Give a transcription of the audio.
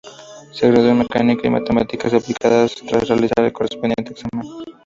Se graduó en mecánica y matemáticas aplicadas tras realizar el correspondiente examen.